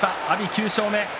９勝目。